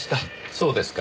そうですか。